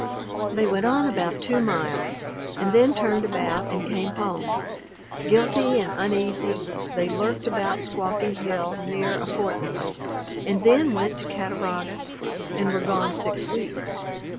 They went on about two miles, and then turned about and came home. Guilty and uneasy, they lurked about Squawky Hill near a fortnight, and then went to Cattaraugus, and were gone six weeks.